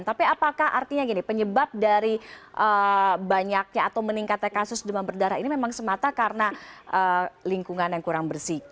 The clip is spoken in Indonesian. tapi apakah artinya gini penyebab dari banyaknya atau meningkatnya kasus demam berdarah ini memang semata karena lingkungan yang kurang bersih